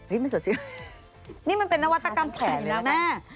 เออมันสดชื่อนี่มันเป็นนวัตกรรมแขนเลยนะแม่